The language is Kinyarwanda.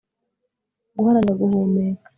guharanira guhumeka